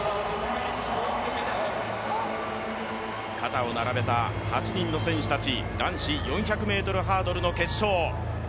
肩を並べた８人の戦士たち、男子４００ｍハードルの決勝。